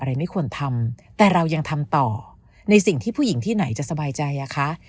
ไม่ควรทำแต่เรายังทำต่อในสิ่งที่ผู้หญิงที่ไหนจะสบายใจอะคะ